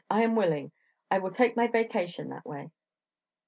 "I am willing; I will take my vacation that way."